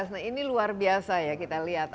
dua ribu tujuh belas nah ini luar biasa ya kita lihat